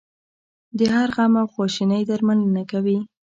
د هر غم او خواشینۍ درملنه کوي.